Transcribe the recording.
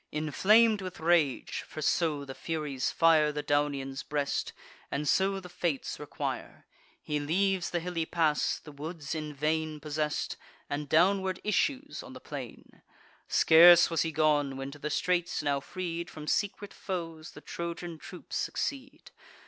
Inflam'd with rage, (for so the Furies fire The Daunian's breast, and so the Fates require,) He leaves the hilly pass, the woods in vain Possess'd, and downward issues on the plain. Scarce was he gone, when to the straits, now freed From secret foes, the Trojan troops succeed.